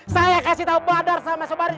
saya kasih tau badar sama sembarik